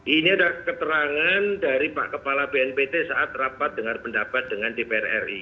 ini adalah keterangan dari pak kepala bnpt saat rapat dengar pendapat dengan dpr ri